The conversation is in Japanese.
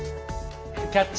「キャッチ！